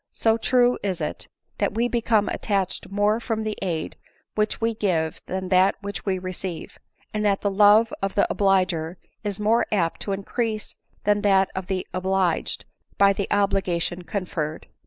So true is it, that we become attached more from the aid which we give than that which we receive ; and that the love of the obliger is more apt to increase than that of the obliged by the obligation conferred.